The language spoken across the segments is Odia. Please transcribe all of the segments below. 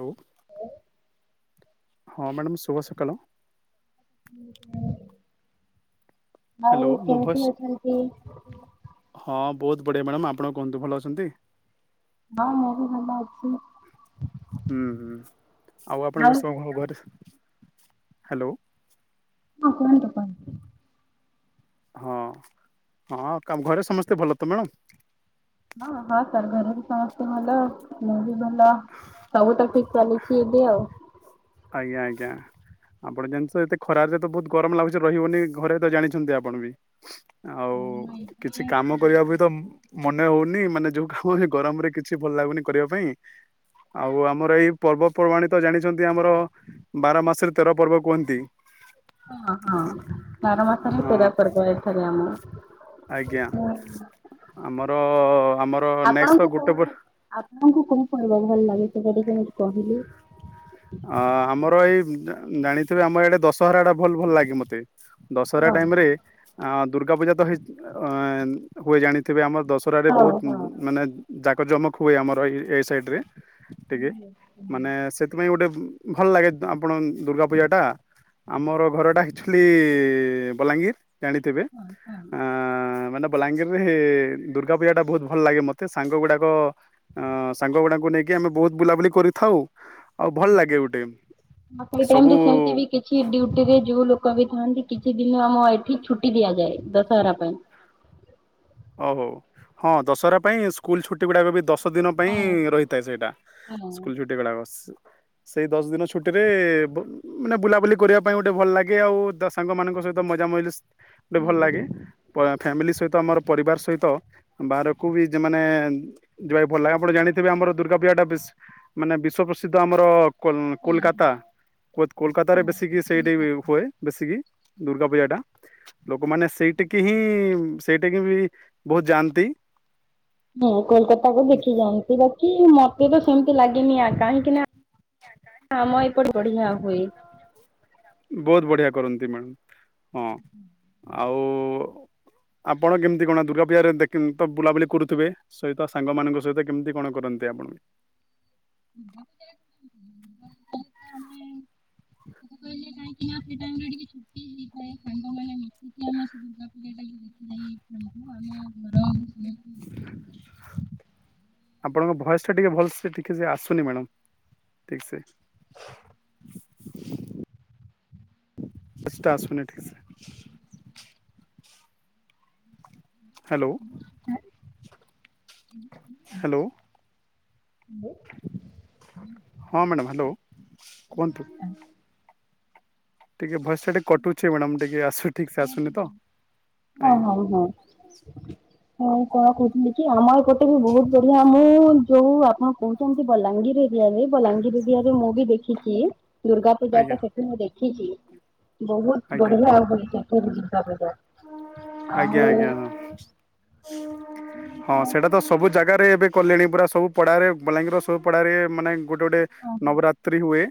ହ୍ୟାଲୋ। ହ। ହଁ ମ୍ୟାଡ଼ାମ ଶୁଭ ସକାଳ। ହୁଁ। ହାଲୋ ମୋ କେମିତି ଭଏସ୍ ଅଛନ୍ତି? ହଁ ବହୁତ ବଢିଆ ମ୍ୟାଡ଼ମ୍ ଆପଣ କୁହନ୍ତୁ ଭଲ ଅଛନ୍ତି? ହଁ ମୁଁ ବି ଭଲ ଅଛି। ହୁଁ ହୁଁ ଆଉ ଆପଣଙ୍କ ସ ଘରେ ହାଲୋ। ହଁ କହନ୍ତୁ କହନ୍ତୁ। ହଁ ହଁ କା ଘରେ ସମସ୍ତେ ଭଲ ତ ମ୍ୟାଡ଼ମ୍? ହଁ ହଁ ସାର୍ ଘରେ ବି ସମସ୍ତେ ଭଲ ଆଉ। ମୁଁ ବି ଭଲ ସବୁ ତ ଠିକ ଚାଲିଚି ଏବେ ଆଉ। ଆଜ୍ଞା ଆଜ୍ଞା। ଆପଣ [inaudible] ତ ଏତେ ଖରାରେ ତ ବହୁତ ଗରମ ଲାଗୁଚି ରହିହବନି ଘରେ ତ ଜାଣିଛନ୍ତି ଆପଣ ବି। ଆଉ ହଁ କିଛି ଏବେ କାମ କରିବା ବି ତ ମନେ ହଉନି ମାନେ ଯଉ କାମ ଏ ଗରମରେ କିଛି ଭଲ ଲାଗୁନି କରିବା ପାଇଁ। ଆଉ ଆମର ଏଇ ପର୍ବପର୍ବାଣ ତ ଜାଣିଛ ନ୍ତି ଆମର ବାର ମାସରେ ତେର ପର୍ବ କୁହନ୍ତି। ହଁ ହଁ ବାର ମାସରେ ହଁ ତେର ପରବ ଏଇଥରେ ଆମ ଆଜ୍ଞା [inaudible] ଆମର ଆମର ନେକ୍ସଟ ଆପଣଙ୍କୁ ତ କୋଉ ଗୋଟେ ପ ଆପଣଙ୍କୁ କହୁ ଶୁଣି ବାକୁ ଭଲ ଲାଗେ ସେଇଟା ଟିକେ ମତେ କହିଲେ। ଆଁ ଆମର ଏଇ ଜାଣିଥିବେ ଆମର ଏଇଟା ଦଶହରାଟା ଭଲ ଭଲ ଲାଗେ ମତେ। ହଁ ଦଶହରା ଟାଇମ ରେ ଅ ଦୁର୍ଗା ପୂଜା ତ ହୁଏ ଜାଣିଥିବେ ଆମର ଦଶ ହରାରେ ହଁ ବହୁତ ହଁ। ହଁ ମାନେ ଜାକଜମକ ହୁଏ ଆମର ଏ ଏ ସାଇଡ଼୍ ରେ। ଟିକେ ମାନେ ସେଥିପାଇଁ ଗୁଟେ ଭଲ ଲାଗେ ଆପଣ ଦୁର୍ଗା ପୂଜା ଟା। ଆମର ଘରଟା ଅକ୍ଚୂଆଲି ବଲାଙ୍ଗୀର ଜାଣିଥିବେ ହଁ। ମାନେ ବଲାଙ୍ଗୀରରେ ଦୁର୍ଗା ପୂଜା ଟା ବହୁତ ଭଲ ଲାଗେ ମତେ ସାଙ୍ଗ ଗୁଡାକ ଅ ସାଙ୍ଗ ଗୁଡାଙ୍କୁ ନେଇକି କି ଆମେ ବହୁତ ବୁଲାବୁଲି କରିଥାଉ ଆଉ ଭଲ ଲାଗେ ଗୋଟେ ସବୁ କି ଡ୍ୟୁଟି ରେ ଯଉ ଲୋକ ବି ଥାନ୍ତି କିଛି ଦିନ ଆମ ଏଇଠି ଛୁଟି ଦିଆଯାଏ ଦଶହରା ପାଇଁ। ଓ ହୋ ହଁ ଦଶହରା ପାଇଁ ସ୍କୁଲ ଛୁଟି ଗୁଡାକ ବି ଦଶ ଦଶ ଦିନ ପାଇଁ ହଁ ରହିଥାଏ ସେଇଟା ହଁ ସ୍କୁଲ ଛୁଟିଗୁଡାକ। ସେଇ ଦଶ ଦିନ ଛୁଟିରେ ଵ ମାନେ ବୁଲାବୁଲି କରିବା ପାଇଁ ଗୋଟେ ଭଲ ଲାଗେ ଆଉ ସାଙ୍ଗମାନଙ୍କ ସହିତ ମଜା ମଇଲିସ। ଗୋଟେ ଭଲ ହୁଁ ଲାଗେ ଫ୍ୟାମିଲି ସହିତ ଆମର ପରିବାର ସହିତ ବାହାରକୁ ବି ଯେମାନେ ଯିବାକୁ ପଡ଼ିଲା ଆପଣ ଜାଣିଥିବେ ଆମର ଦୁର୍ଗା ପୂଜା ଟା ବିସ୍ ମାନେ ବିଶ୍ଵ ପ୍ରସିଦ୍ଧ ଆମର କୋଲ ହଁ କୋଲକାତା କୋଲକାତା ରେ ହଁ ବେଶୀକ ସେଇଠି କୋଲକାତା। ହୁଏ ବେଶୀକି ଦୁର୍ଗା ପୂଜା ଟା ଲୋକମାନେ ସେଇଠିକି ହିଁ ସେଇଠିକି ବି ବହୁତ ଯାଆନ୍ତି। ହୁଁ କୋଲକାତା କୁ ଦେଖି ଯାଆନ୍ତି ବାକି ମତେ ତ ସେମିତି ଲାଗିନି ଆ କାହିଁକି ନା ଆମ ଏପଟେ ବଢିଆ ହୁଏ। ବହୁତ ବଢିଆ କରନ୍ତି ମ୍ୟାଡ଼ାମ ହଁ ଆଉ ଆପଣ କେମିତି କଣ ଦୁର୍ଗାପୂଜାରେ ଦେଖ ତ ବୁଲାବୁଲି କରୁଥିବେ? ସହିତ ସାଙ୍ଗମାନଙ୍କ ସହିତ କେମିତି କଣ କରନ୍ତି ଆପଣ? [unintelligible] ଆମେ ମୁଁ କହିଲି ନାଇଁ। ସେ ଟାଇମରେ ଟିକେ ଛୁଟି ହେଇଥାଏ ସାଙ୍ଗମାନେ ମିଶିକି ଆମେ ସବୁ ବୁଲା ବୁଲି ଘର [unintelligible] ସମସ୍ତେ। ଆପଣଙ୍କ ଭୟସ ଟା ଟିକେ ଭଲସ ଟିକେ ସେ ଆସୁନି ମ୍ୟାଡାମ। ଠିକ୍ ସେ। ଭୟସ୍ ଆସୁନି ଠିକସେ। Hello hello. ହଁ ମ୍ୟାଡ଼ାମ ହାଲୋ କୁହନ୍ତୁ। ଟିକେ ଭୟସ ଟା ଟିକେ କଟୁଚି ମ୍ୟାଡାମ ଟିକେ ଆସୁ ଠିକ ସେ ଆସୁନି ତ ହଁ ଆଜ୍ଞା ହଁ ହଁ। ହଁ କଣ କହୁଥିଲି କି ଆମ ଏପଟେ ବି ବହୁତ ବଢିଆ ମୁଁ ଯୋଉ ଆପଣ କହୁଛନ୍ତି ବଲାଙ୍ଗୀର ବଲାଙ୍ଗୀର ଏରିଆରେ ମୁଁ ବି ଦେଖିଛି ଦୁର୍ଗା ପୂଜା ଆଜ୍ଞା ଟା ସେଠି ମୁଁ ଦେଖିଛି ବହୁତ ଆଜ୍ଞା ବଢିଆ ଦୁର୍ଗା ପୂଜା। ଆଜ୍ଞା, ଆଉ ଆଜ୍ଞା ହଁ। ସେ ହଁ ସେଇଟା ତ ସବୁ ଜାଗାରେ ଏବେ କଲେଣି ପୁରା ସବୁ ପଡାରେ ବଲାଙ୍ଗୀର ସବୁ ପଡ଼଼ାରେ ମାନେ ଗୋଟେ ଗୋଟେ ନବରାତ୍ରି ହୁଏ।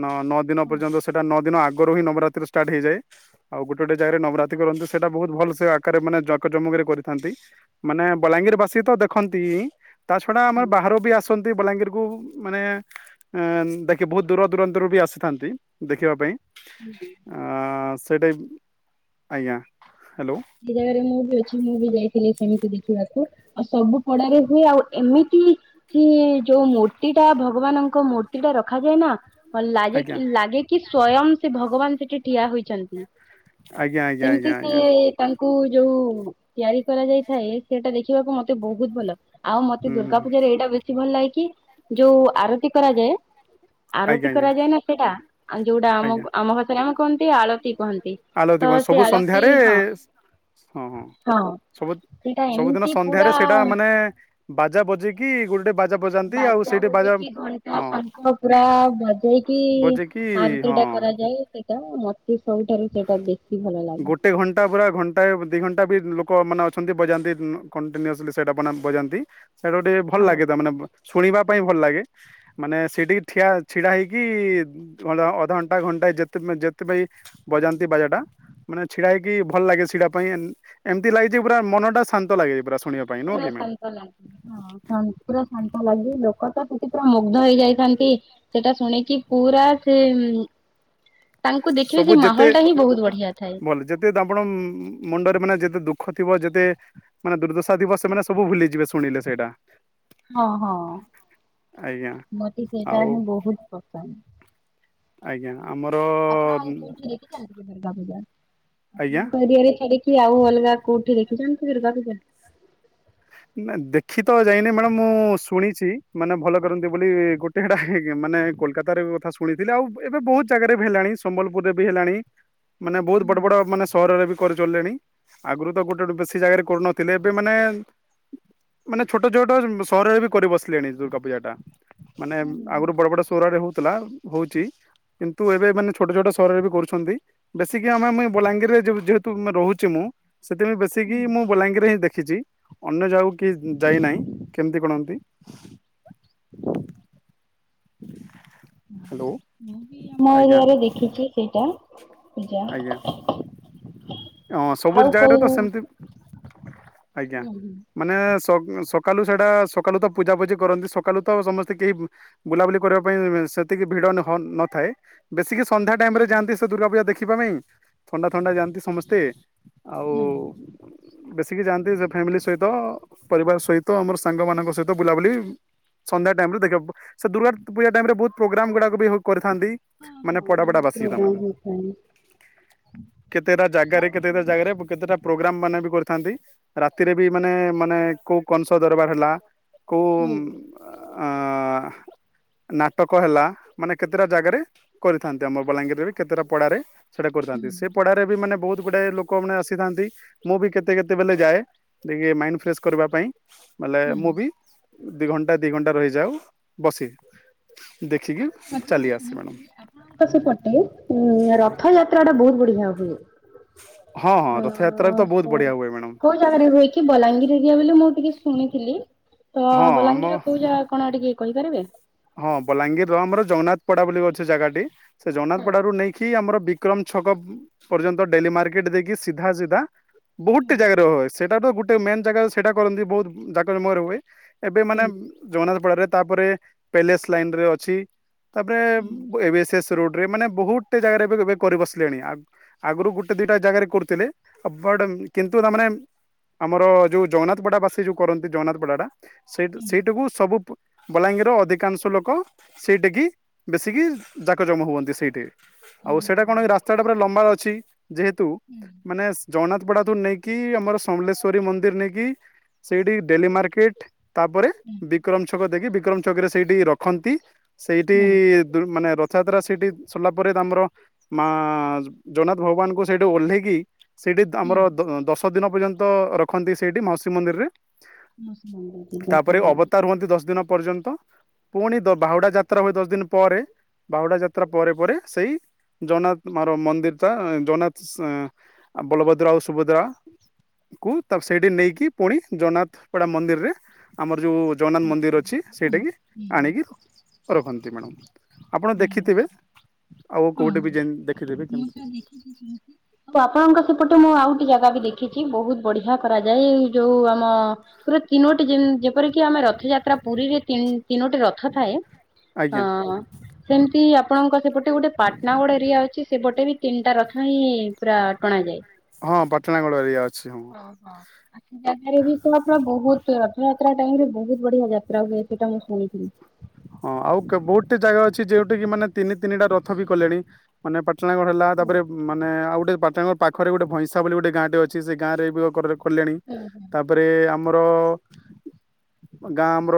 ନ ନଅ ଦିନ ପର୍ଯ୍ୟନ୍ତ ସେଟା ନଅ ଦିନ ଆଗ ଆଗରୁ ନବରାତ୍ରୀ ଷ୍ଟାଟ ହେଇଯାଏ ଆଉ ଗୋଟେ ଗୋଟେ ଜାଗାରେ ନବରାତ୍ରି କରନ୍ତିୁ ସେଇଟା ବହୁତ ଭଲ ସେ ଆକାରରେ ମାନେ ଜାକ ଜମକରେ କରିଥାନ୍ତି। ମାନେ ବଲାଙ୍ଗୀର ବାସୀ ତ ଦେଖନ୍ତି। ତା ଛଡା ଆମର ବାହାର ବି ଆସନ୍ତି, ବଲାଙ୍ଗୀରକୁୁ ମାନେ ଆ ଦେଖି ବହୁତ ଦୂର ଦୂରାନ୍ତରୁ ବି ଆସିଥାନ୍ତି, ଦେଖିବା ପାଇଁ। [inaudible] ଆ ସେଇଟା ଆଜ୍ଞା। ହ୍ୟାଲୋ? ସେଇ ଜାଗାରେ ମୁଁ ବି ଅଛି, ମୁଁ ବି ଯାଇଥିଲି, ସେମିତି ଦେଖିବାକୁ ଆଉ ସବୁ ଖଡାରେ ହୁଏ। ଆଉ ଏମିତି କି ଯୋଉ ମୂର୍ତ୍ତି ଟା ଭଗବାନଙ୍କ ମୂର୍ତ୍ତି ଟା ରଖାଯାଏ ନା। ହ ଲାଗେ ଆଜ୍ଞା। କି ଲାଗେ କି ସ୍ଵୟଂ ସେ ଭଗବାନ ସେଠି ଠିଆ ହୋଇଛନ୍ତି। ଆଜ୍ଞା, ଆଜ୍ଞା, ସେମିତି ଆଜ୍ଞା, ଆଜ୍ଞା। ସିଏ ତାଙ୍କୁ ଯୋଉ ତିଆରି କରାଯାଇଥାଏ। ସେଟା ଦେଖିବାକୁ ମତେ ବହୁତ ଭଲ ଆଉ ମତେ ହୁଁ ଦୁର୍ଗା ହୁଁ। ପୂଜାରେ ଏଇଟା ବେଶୀ ଭଲ ଲାଗେ କି ଯୋଉ ଆରତି କରାଯାଏ। ଆଜ୍ଞା ଆରତି ଆଜ୍ଞା। କରାଯାଏ ନା ସେଇଟା ଆ ଯୋଉଟା ଆମ ଆଜ୍ଞା ଆମ ଭାଷରେ ଆମେ କୁହନ୍ତି ଆଳତି କହନ୍ତି। ଆଳତି ତ କୁହନ୍ତି ସବୁ ସେ ଆଳତୀ ସନ୍ଧ୍ୟାରେ ହଁ। ହଁ ହଁ ସବୁ ସେଇଟା ସବୁଦିନ ଏମିତି ସନ୍ଧ୍ୟାରେ ପୁରା ସେଇଟା ମାନେ ବାଜା ବଜେଇକି ଗୋଟେ ବାଜା ବଜାନ୍ତି ଆଉ ବାଜା ସେଇଠି ବଜେଇକି ଘଣ୍ଟ ହଁ ଶଙ୍ଖ। ପୁରା ବଜେଇକି ବଜେଇକି ଆରତୀଟା ହଁ କରାଯାଏ। ସେଇଟା ମତେ ସବୁଠାରୁ ସେଇଟା ବେଶୀ ଭଲ ଲାଗେ। ଗୋଟେ ଘଣ୍ଟା ପୁରା ଘଣ୍ଟା ଦି ଘଣ୍ଟା ବି ଲୋକ ମାନେ ଅଛନ୍ତି, ବଜାନ୍ତି କଣ୍ଟିନ୍ୟୁସଲି ସେଇଟା ମାନେ ବଜାନ୍ତି। ସେଇଟା ଗୋଟେ ଭଲ ହଁ। ଲାଗେ। ତ ମାନେ ଶୁଣିବା ପାଇଁ ଭଲ ଲାଗେ। ମାନେ ସେଇଠିକି ଠିଆ ଛିଡ଼ା ହେଇକି ଅଧଘଣ୍ଟା ଘଣ୍ଟାଏ ଯେତେ ଯେତେପାଇଁ ବଜାନ୍ତି ବାଜାଟା। ମାନେ ଛିଡା ହେଇକି ଭଲ ଲାଗେ ଛିଡା ପାଇଁ, ଏମିତି ଲାଗିଛି ପୁରା ମନ ଟା ଶାନ୍ତ ଲାଗେ ପୁରା ଶୁଣିବାକୁ। ପୁର ଶାନ୍ତ ଲାଗେ। ହଁ ପୁରା ଶାନ୍ତ ଲାଗି ଲୋକ ତ ସେଠି ପୁରା ମୁଗ୍ଧ ହେଇଯାଇଥାନ୍ତି। ସେଟା ଶୁଣିକି ପୁରା ସେ ତାଙ୍କୁ ଦେଖିବେ ସବୁ ସେ ଯେତେ ମାହୋଲ ଟା ହିଁ ବହୁତ ବଢିଆ ଥାଏ। ଭଲ ଯେତେ ଆପଣ ମୁଣ୍ଡରେ ମାନେ ଯେତେ ଦୁଃଖ ଥିବ ଯେତେ ମାନେ ଦୁର୍ଦ୍ଦଶା ଦିବସ ସେମାନେ ସବୁ ଭୁଲିଯିବେ ଶୁଣିଲେ ସେଇଟା। ହଁ ହଁ ଆଜ୍ଞା ମତେ ସେଟା ଆଉ ହିଁ ବହୁତ ପସନ୍ଦ। ଆଜ୍ଞା ଆମର ଆପଣ ଆଉ କୋଉଠି ଦୁର୍ଗା ପୂଜା ଆଜ୍ଞା ଆପଣଙ୍କ ଏରିଆରେ ଛାଡିକି ଆଉ ଅଲଗା କୋଉଠି ଦେଖିଛନ୍ତି ଦୁର୍ଗା ପୂଜା। ନା ଦେଖି ତ ଯାଇନି, ମ୍ୟାଡ଼ାମ ମୁଁ ଶୁଣିଛି ମାନେ ଭଲ କରନ୍ତି ବୋଲି ଗୋଟେ। ମାନେ କୋଲକୋତା ରେ କଥା ଶୁଣିଥିଲି ଆଉ ଏବେ ବହୁତ ଜାଗାରେ ବି ହେଲାଣି, ସମ୍ବଲପୁରରେ ବି ହେଲାଣି। ମାନେ ବହୁତ ହୁଁ ବଡ ହୁଁ ବଡ ମାନେ ସହରରେ ବି କରିଚଳିଲଣି। ଆଗରୁ ତ ଗୋଟେ ବେଶୀ ଜାଗାରେ କରୁନଥିଲେ ଏବେ ମାନେ ମାନେ ଛୋଟ ଛୋଟ ସହରରେ ବି କରି ବସିଲେଣି ଦୁର୍ଗା ପୂଜା ଟା। ମାନେ ଆଗରୁ ବଡ ବଡ ସରରେ ହଉଥିଲା ହଉଛି। କିନ୍ତୁ ଏବେ ମାନେ ଛୋଟ ଛୋଟ ସହରରେ ବି କରୁଛନ୍ତି। ବେଶି ଆମେ ମୁଇ ବଲାଙ୍ଗୀରରେ ଯେହେତୁ ରହୁଛି ମୁଁ। ସେଥିପାଇଁ ବେଶୀିକି ହୁଁ ମୁଁ ବଲାଙ୍ଗୀରରେ ହିଁ ଦେଖିଛି। ଅନ୍ୟ ଜାଗକୁ କି ଯାଇନାହିଁ। କେମିତି କଣ ହ୍ୟାଲୋ ମୁଁ ବି ଆମ ଆଜ୍ଞା ଏରିଆରେ ଦେଖିଛି ସେଇଟା ପୂଜା। ଆଜ୍ଞା ହଁ ସବୁ ଆଉ ଜାଗାରେ କୋଉ ତ ହୁଁ ସେମିତି ଆଜ୍ଞା। ହୁଁ ମାନେ ସକାଳୁ ସେଟା ସକାଳୁ ତ ପୂଜାପୂଜି କରନ୍ତି ସକାଳୁ ତ ସମସ୍ତେ କେହି ବୁଲାବୁଲି କରିବା ପାଇଁ ସେତିକି ଭିଡନ୍ ହନ୍ ନଥାଏ। ବେଶିକି ସନ୍ଧ୍ୟା ଟାଇମ ରେ ହୁଁ। ଯାଆନ୍ତି ସେ ଦୁର୍ଗାପୂଜା ଦେଖିବା ପାଇଁ। ଥଣ୍ଡା ଥଣ୍ଡା ଯାଆନ୍ତି ସମସ୍ତେ। ଆଉ ହୁଁ ବେଶିକି ଯାଆନ୍ତି ସେ ଫ୍ୟାମିଲି ସହିତ ପରିବାର ସହିତ ଆମର ସାଙ୍ଗମାନଙ୍କ ସହିତ ବୁଲାବୁଲି ସନ୍ଧ୍ୟା ଟାଇମ ରେ ଦେଖିବା ସେ ଦୁର୍ଗା ପୂଜା ଟାଇମ ରେ ବହୁତ ପ୍ରୋଗ୍ରାମ ଗୁଡ଼ା ବି କରିଥାନ୍ତି। ହ ମାନେ ହଁ ପଡା ବ ପଡା ବାସି ତା ମାନେ ପ୍ରୋଗ୍ରାମ ହେତା କେତେଟା ଜାଗାରେ କେତେଟା ଜାଗାରେ କେତେଟା ପ୍ରୋଗ୍ରାମ ମାନେ ବି କରିଥାନ୍ତି। ରାତିରେ ବି ମାନେ ମାନେ କୋଉ କଂସ ଦରବାର ହେଲା କୋଉ ହୁଁ ଆ ନାଟକ ହେଲା ମାନେ କେତେଟା ଜାଗାରେ କରିଥାନ୍ତି। ଆମ ବଲାଙ୍ଗୀରରେ ବି କେତେଟା ପଢାରେ ସେଟା ହୁଁ କରଥାନ୍ତି ସେ ପଢାରେ ବି ମାନେ ବହୁତ ଗୁଡାଏ ଲୋ କ ଆସିଥାନ୍ତି ମୁଁ ବି କେତେ କେତେବେଲେ ଯାଏ ଟିକେ ମାଇଣ୍ଡ ଫ୍ରେଶ କରିବା ପାଇଁ। ମାନେ ମୁଁ ବି ଦି ଘଣ୍ଟା ଦି ଘଣ୍ଟା ରହିଯାଉ ବସିବି। ଦେଖିକି ଚାଲି ଆସେ ମ୍ୟାଡ଼ାମ। ହ ତ ସେ ପଟେ ଉ ରଥଯାତ୍ରା ଟା ବହୁତ ବଢିଆ ହୁଏ। ହଁ ହଁ ରଥଯାତ୍ରା ବି ତ ବହୁତ ବଢିଆ ହୁଏ ମ୍ୟାଡ଼ାମ। ଜ ରକି ବଲାଙ୍ଗୀର ଏରି ବୋଲି ମୁଁ ଟିକେ ଶୁଣିଥିଲି। ତ ହଁ ବଲାଙ୍ଗୀର ଆମ କହୁଛା କଣ ଟିକେ କହିପାରିବେ? ହଁ ବଲାଙ୍ଗୀର ଆମର ଜଗନ୍ନାଥପଡା ବୋଲି ଅଛି ଜାଗାଟି। ସେ ହୁଁ ଜଗନ୍ନାଥପଡାରୁୁ ନେଇକି ଆମର ବିକ୍ରମ ଛକ ପର୍ଯ୍ୟନ୍ତ ଡେଲି ମାର୍କେଟ ଦେଇକି ସିଧା ସିଧା ବହୁତେ ଜାଗାରେ ର ହୁଏ ସେଟା ତ ଗୋଟେ ମେନ୍ ଜାଗା ସେଇଟା କରନ୍ତି ବହୁତ ଜାକ ଜମୟରେ ହୁଏ। ଏବେ ମାନେ ହୁଁ ଜଗନ୍ନାଥପଡାରେ ତାପରେ ପ୍ୟାଲେସ ଲାଇନ ରେ ଅଛି। ତାପରେ ହୁଁ ଏବେ ସେ ରୋଡରେ ମାନେ ବହୁତ ଜାଗାରେ ବି ଏବେ କରି ବସିଲେଣି ଆ ଆଗରୁ ଗୋଟେ ଦିଟା ଜାଗାରେ କରୁଥିଲେ ବଟ କିନ୍ତୁ ତାମାନେ ଆମର ଯୋଉ ଜଗନ୍ନାଥପଡା ବାସୀ ଯୋଉ କରନ୍ତି ଜଗନ୍ନାଥପଡାଟା ସେ ହୁଁ ସେଇଟାକୁ ସବୁ ବଲାଙ୍ଗୀର ଅଧିକ କାଂଶ ଲୋକ ସେଇଠୀ କିି ବେଶୀକି ଯାକ ଜମା ହୁଅନ୍ତି ସେଇଠି। ହୁଁ ଆଉ ସେଇଟା କଣ ରାସ୍ତାଟା ପୁରା ଲମ୍ବା ଅଛି ଯେହେତୁ ହୁଁ। ମାନେ ଜଗନ୍ନାଥ ପଡାଦୁର ନେଇକି ଆମର ସମଲେଶଵରୀ ମନ୍ଦିର ନେଇକି ସେଇଠି ଡେଲି ମାର୍କେଟ ତାପରେ ହୁଁ ବିକ୍ରମ ଛକ ଦେଖି ବିକ୍ରମ ଛକ ରେ ସେଇଠି ରଖନ୍ତି। ସେଇଠି ହୁଁ ଦ ମାନେ ରଥଯାତ୍ରା ସେଇଠି ସରିଲା ପରେ ତ ଆମର ମା ଜଗନ୍ନାଥ ଭଗବାନଙ୍କୁ ସେଇଠୁ ଓହ୍ଲେଇକି ସେଇଠି ହୁଁ ଆମର ଦଶ ଦିନ ପର୍ଯ୍ୟନ୍ତ ରଖନ୍ତି ସେଇଠି ମାଉସୀ ମନ୍ଦିରରେ। [unintelligible] କୁହନ୍ତି ଦଶ ଦିନ ପର୍ଯ୍ୟନ୍ତ ପୁଣି ବାହୁଡା ଯାତ୍ରା ହୁଏ ଦଶ ଦିନ ପରେ। ବାହୁଡା ଯାତ୍ରା ପରେ ପରେ ସେଇ ଜଗନ୍ନାଥ ମର ମନ୍ଦିରଟା ଜଗନ୍ନାଥ ଆଉ ବଳଭଦ୍ରା ଆଉ ସୁଭଦ୍ରା କୁ ତା ସେଇଠି ନେଇକି ପୁଣି ଜଗନ୍ନାଥପଡ଼ା ମନ୍ଦିରରେ ଆମର ଯେଉଁ ଜଗନ୍ନାଥ ମନ୍ଦିର ଅଛି ସେଇଟାକି ହୁଁ ଆଣିକି ରଖନ୍ତି ମ୍ୟାଡ଼ମ୍। ଆପଣ ହୁଁ ଦେଖିଥିବେ ଆଉ କୋଉଠି ବି ହଁ ଦେଖିଥିବେ ମୁଁ ତ କେମିତି ଦେଖିଛି ଆପଣଙ୍କ ସେପଟୁ ମୁଁ ଆଉଠ ଜାଗା ବି ଦେଖିଛି ବହୁତ ବଢିଆ କରାଯାଏ ଯୋଉ ଆମ ପୁରା ତିନୋଟି ଯେନ୍ ଯେ ଯେପରିକି ଆମେ ରଥଯାତ୍ରା ପୁରୀରେ ତିନୋଟି ରଥ ଥାଏ। ହଁ ଆଜ୍ଞା ସେମିତି ଆପଣଙ୍କ ସେପଟେ ଗୋଟେ ପାଟନା ଗୋଡ ଏରିଆ ଅଛି ସେପଟେ ବି ତିନିଟା ରଥ ହିଁ ପୁରା ଟଣାାଯାଏ। ହଁ ପାଟଣାଗଡ଼ ଏରିଆ ଅଛି ମୁଁ। [unintelligible] ବି ତ ଆପଣ ବହୁତ। ସେ ରଥଯାତ୍ରା ଟାଇମ୍ ରେ ବୋହୁତ୍ ବଢିଆ ଯାତ୍ରା ହୁଏ ସେଇଟା ମୁଁ ଶୁଣିଥିଲି। ହଁ ଆଉ ବହୁତ୍ ଜାଗା ଅଛି ଯୋଉଠି କି ମାନେ ତିନି ତିନିଟା ରଥ ବି କଲେଣି। ମାନେ ପାଟ୍ଣାଗଡ଼ ହେଲା ହୁଁ ତାପରେ ମାନେ ଆଉ ଗୋଟେ ପାଟ୍ଣାଗଡ ପାଖରେ ଗୋଟେ ଭଇଁସା ବୋଲି ଗୋଟେ ଗାଁଟେ ଅଛି ସେ ଗାଁରେ ବି କଲେଣି ତାପରେ ଆମ୍ ମର ଗାଁ ଆମ୍ର।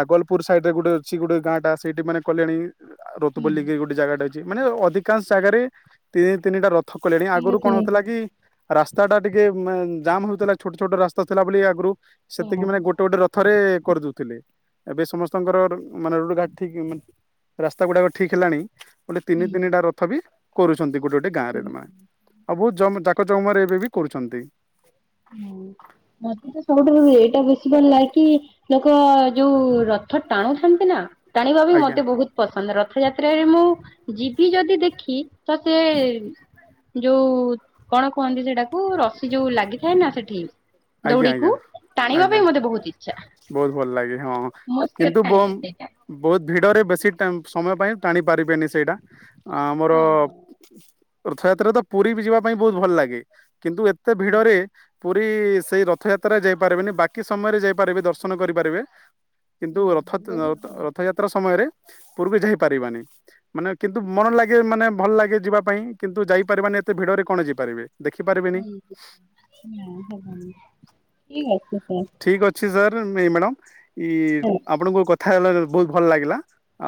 ଆଗଲ୍ ପୁର୍ ସାଇଟ୍ ରେ ଗୋଟେ ଅଛି ଗୋଟେ ଗାଁ ଟା ସେଇଠି ମାନେ କଲେଣି ରତବୋଲିକି ଗୋଟେ ଜାଗାଟେ ଅଛି। ମାନେ ଅଧିକାଂଶ ଜାଗାରେ ତିନି ତିନିଟା ରଥ କଲେଣି ହୁଁ ଆଗରୁ କଣ ହଉଥିଲା ହୁଁ। କି। ରାସ୍ତା ଟା ଟିକେ ଜାମ୍ ହଉଥିଲା ଛୋଟ ଛୋଟ ରାସ୍ତା ଥିଲା ବୋଲି ଆଗରୁ ହୁଁ ସେତିକି ମାନେ ଗୋ ଗୋଟେ ଗୋଟେ ରଥରେ କରିଦଉଥିଲେ। ଏବେ ସମସ୍ତଙ୍କର ମାନେ ରୋଟ ଘାଟ ଠିକ୍ ରାସ୍ତା ଗୁଡ଼ାକ ଠିକ୍ ହେଲାଣି। ଗୋଟେ ତିନି ତିନିଟା ରଥ ବି କରୁଛନ୍ତି ଗୋଟେ ଗୋଟେ ଗାଁ ରେ ନେ। ହୁଁ। ଆଉ ବୋହୁତ୍ ଜ ଜାକ ଜକମରେ ଏବେ ବି କରୁଛନ୍ତି। ହୁଁ [inaudible] ମତେ ତ ସବୁଠୁ ଏଇଟା ବେଶୀ ଭଲ ଲାଗେ କି ଲୋକ ଯୋଉ ରଥ ଟାଣୁଥାନ୍ତି ନା। ଟାଣିବା ବି ଆଜ୍ଞା ମତେ ବୋହୁତ୍ ପସନ୍ଦ୍ ରଥଯାତ୍ରାରେ ମୁଁ ଯିବି ଯଦି ଦେଖି। ତ ସେ ଯୋଉ କଣ କୁହନ୍ତି ସେଟା। କୁ ରସି ଯୋଉ ଲାଗିଥାଏ ନା ସେଠି। ଆଜ୍ଞା ଦଉଡିକୁ ଆଜ୍ଞା। ଟାଣିବା ଆଜ୍ଞା ପାଇଁ ମତେ ବହୁତ ଇଚ୍ଛା ବୋହୁତ୍ ଭଲ ଲାଗେ ହଁ ମୋ ସହିତ କିନ୍ତୁ ଟାଣିବେ ବୋମ୍ ସେଇଟା ବୋହୁତ୍ ଭିଡରେ ବେଶୀ ଟା ସମୟ ପାଇଁ ଟାଣି ପାରିବେନି ସେଇଟା। ଆମର ହଁ ହଁ ରଥଯାତ୍ରାରେ ତ ପୁରୀ ବି ଯିବା ପାଇଁ ବୋହୁତ୍ ଭଲ ଲାଗେ। କିନ୍ତୁ ଏତେ ଭିଡରେ‌‌। ପୁରୀ ସେଇ ରଥଯାତ୍ରା ଯାଇପାରିବେନି ବାକି ସମୟରେ ଯାଇପାରିବେ ଦର୍ଶନ କରିପାରିବେ। କିନ୍ତୁ ରଥ ବହୁତ ଭିଡ ରଥଯାତ୍ରା ସମୟରେ ପୂର୍ବେ ଯାଇ ପାରିବାନି। ମାନେ କିନ୍ତୁ ମନ ଲାଗେ ମାନେ ଭଲ ଲାଗେ ଯିବା ପାଇଁ କିନ୍ତୁ ଯାଇପାରିବାନି ଏତେ ଭିଡରେ କଣ ଯାଇପାରିବେ। ଦେଖିପାରିବେ। ହଁ ହଁ ହେବି ଠିକ୍ ଅଛି ସ ଠିକ୍ ଅଛି ସାର୍ ନାଇଁ ମ୍ୟାଡ଼ାାମ୍ ସାର୍ ଆପଣଙ୍କୁ କ ଥା ବୋହୁତ୍ ଭଲ ଲାଗିଲା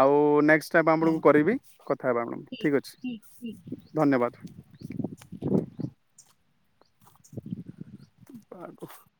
ଆଉ ନେକ୍ସ୍ ଚେଷ୍ଟା ହେବା ଆପଣଙ୍କୁ କରିବି କଥା ହେବା ଆପଣଙ୍କୁ ଠିକ୍ ଅଛି ଧନ୍ୟବାଦ୍। [unintelligible]